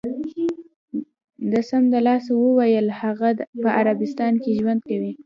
ده سمدلاسه و ویل: هغه په عربستان کې ژوند کوي.